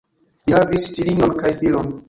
Li havis filinon kaj filon.